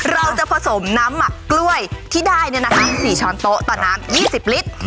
เราจะผสมน้ำหมักกล้วยที่ได้๔ช้อนโต๊ะต่อน้ำ๒๐ลิตร